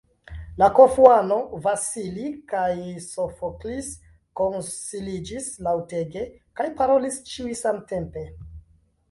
La Korfuano, Vasili kaj Sofoklis konsiliĝis laŭtege kaj parolis ĉiuj samtempe.